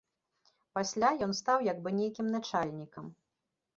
Пасля ён стаў як бы нейкім начальнікам.